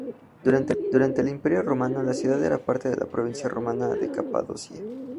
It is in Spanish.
Durante el Imperio romano la ciudad era parte de la provincia romana de Capadocia.